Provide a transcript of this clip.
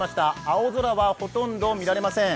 青空はほとんど見られません。